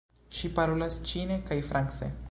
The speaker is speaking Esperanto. Ŝi parolas ĉine kaj france.